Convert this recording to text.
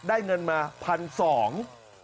ได้เงินมาพันสอง